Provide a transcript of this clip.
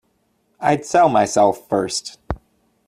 I'd sell myself first.